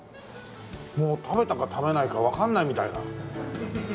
もう食べたか食べないかわかんないみたいな。